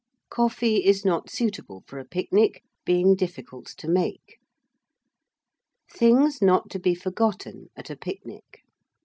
Coffee is not suitable for a picnic, being difficult to make. Things not to be forgotten at a Picnic.